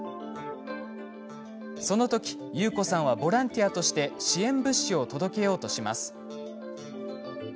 そのとき、優子さんはボランティアとして支援物資を届けようとします。